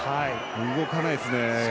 動かないですね、試合が。